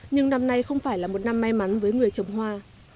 nhưng năm nay không phải là một năm may mắn với người trồng hoa